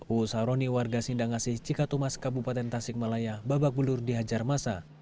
uusaroni warga sindangasi cikatumas kabupaten tasikmalaya babak bulur dihajar masa